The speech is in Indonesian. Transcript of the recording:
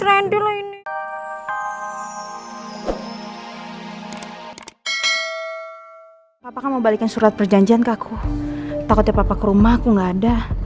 rendy ini apa kamu balikin surat perjanjian ke aku takutnya papa ke rumah aku enggak ada